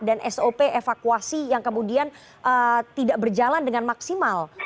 dan sop evakuasi yang kemudian tidak berjalan dengan maksimal